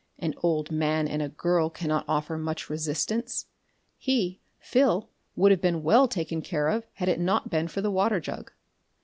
An old man and a girl cannot offer much resistance: he, Phil, would have been well taken care of had it not been for the water jug.